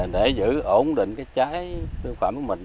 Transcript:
để giữ ổn định cái trái thực phẩm của mình